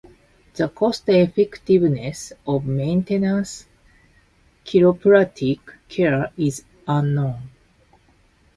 The cost-effectiveness of maintenance chiropractic care is unknown.